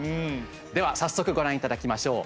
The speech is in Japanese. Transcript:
では早速ご覧いただきましょう。